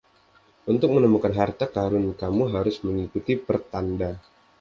Untuk menemukan harta karun, kamu harus mengikuti pertanda.